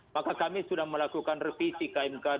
maka kami sudah melakukan revisi kmk dua ratus tujuh puluh delapan